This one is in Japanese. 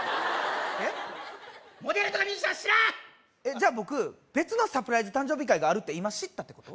じゃあ僕別のサプライズ誕生日会があるって今知ったってこと？